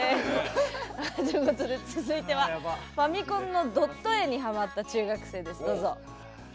続いてはファミコンのドット絵にハマった中学生です。